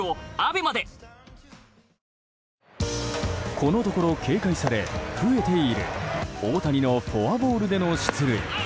このところ警戒され増えている大谷のフォアボールでの出塁。